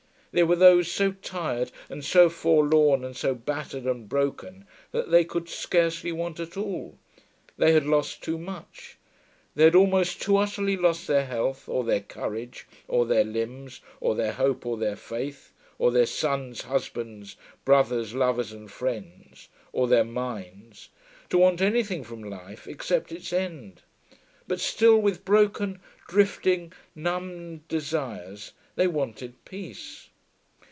There were those so tired and so forlorn and so battered and broken that they could scarcely want at all; they had lost too much. They had almost too utterly lost their health, or their courage, or their limbs, or their hope, or their faith, or their sons, husbands, brothers, lovers and friends, or their minds, to want anything from life except its end; but still, with broken, drifting, numbed desires, they wanted peace....